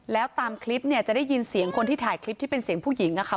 แล้วตามคลิปเนี่ยจะได้ยินเสียงคนที่ถ่ายคลิปที่เป็นเสียงผู้หญิงอะค่ะ